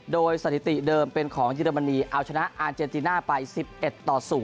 โดยสถิติเดิมเป็นของเยอรมนีเอาชนะอาร์เจนติน่าไป๑๑ต่อ๐